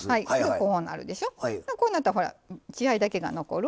こうなったらほら血合いだけが残る。